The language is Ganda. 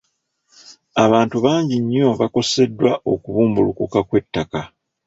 Abantu bangi nnyo bakoseddwa okubumbulukuka kw'ettaka.